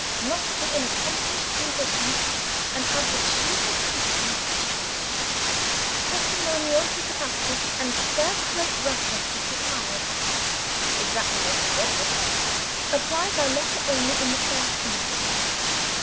Must be an accomplished musician, and have a cheerful temper. Testimonials to capacity, and first rate references required." Exactly what I had offered! "Apply by letter only, in the first instance."